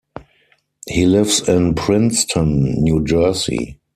He lives in Princeton, New Jersey.